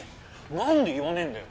なんで言わねえんだよ！